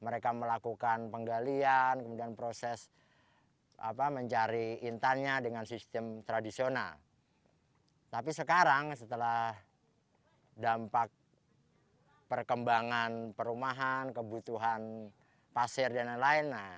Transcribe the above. rumahan kebutuhan pasir dan lain lain